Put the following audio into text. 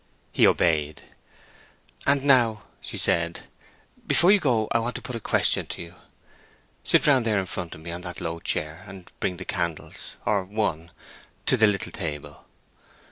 He obeyed. "And now," she said, "before you go I want to put a question to you. Sit round there in front of me, on that low chair, and bring the candles, or one, to the little table.